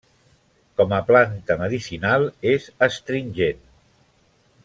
Com a planta medicinal és astringent.